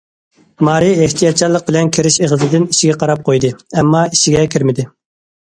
مارى ئېھتىياتچانلىق بىلەن كىرىش ئېغىزىدىن ئىچىگە قاراپ قويدى، ئەمما ئىچىگە كىرمىدى.